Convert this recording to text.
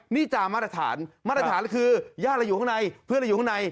นี่จามาตรฐานมาตรฐานคือญาติเราอยู่ข้างในเพื่อนเราอยู่ข้างใน